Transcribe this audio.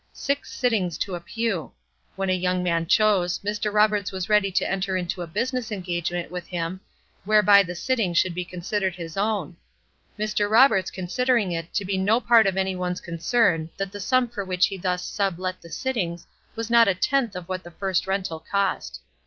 Six sittings to a pew. When a young man chose, Mr. Roberts was ready to enter into a business engagement with him, whereby the sitting should be considered his own; Mr. Roberts considering it to be no part of any one's concern that the sum for which he thus sub let the sittings was not a tenth of what the first rental cost.